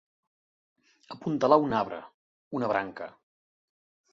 Apuntalar un arbre, una branca.